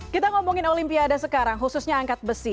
kita ngomongin olimpiade sekarang khususnya angkat besi